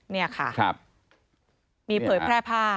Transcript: นี่ค่ะมีเผยแพร่ผ้า